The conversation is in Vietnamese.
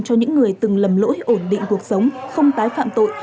cho những người từng lầm lỗi ổn định cuộc sống không tái phạm tội